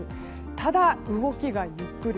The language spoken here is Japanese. ただ、動きがゆっくり。